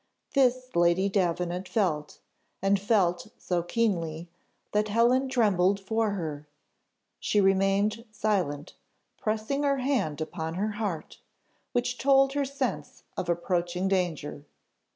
This Lady Davenant felt, and felt so keenly, that Helen trembled for her: she remained silent, pressing her hand upon her heart, which told her sense of approaching danger.